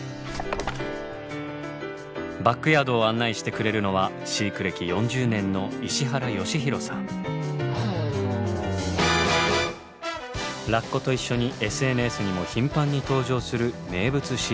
バックヤードを案内してくれるのは飼育歴４０年のラッコと一緒にＳＮＳにも頻繁に登場する名物飼育員。